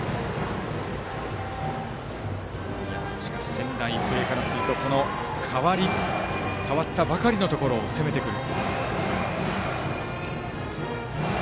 仙台育英からするとこの代わったばかりのところを攻めてくる。